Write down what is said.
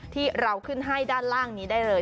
ที่เราขึ้นให้ด้านล่างนี้ได้เลย